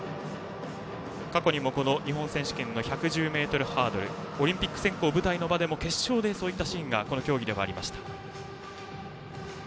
過去にも日本選手権の１１０ｍハードルではオリンピック選考の舞台の場でも決勝でそういったシーンがこの競技ではありました。